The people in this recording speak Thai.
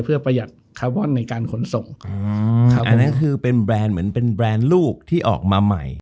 เพื่อประหยัดคาร์บอนในการขนส่งอันนั้นคือเป็นแบรนด์เหมือนเป็นแบรนด์ลูกที่ออกมาใหม่